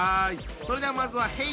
それではまずはＨＥＹ！